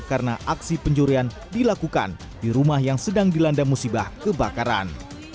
karena aksi pencurian dilakukan di rumah yang sedang dilanda musibah kebakaran